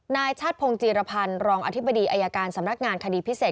นายชาติพงศ์จีรพันธ์รองอธิบดีอายการสำนักงานคดีพิเศษ